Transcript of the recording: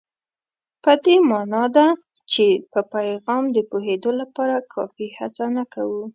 په دې مانا ده چې په پیغام د پوهېدو لپاره کافي هڅه نه کوو.